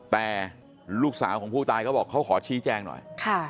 แต่ลูกสาวของผู้ตายเขาบอกเขาขอชี้แจงหน่อย